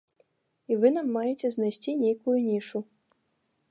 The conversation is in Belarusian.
І вы нам маеце знайсці нейкую нішу.